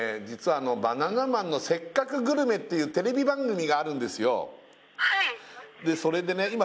実は「バナナマンのせっかくグルメ！！」っていうテレビ番組があるんですよでそれでね